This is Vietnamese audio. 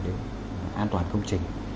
để an toàn công trình